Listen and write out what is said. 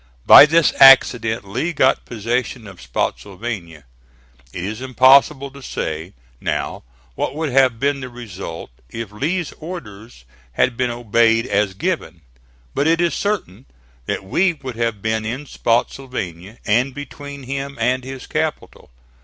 By this accident Lee got possession of Spottsylvania. It is impossible to say now what would have been the result if Lee's orders had been obeyed as given; but it is certain that we would have been in Spottsylvania, and between him and his capital.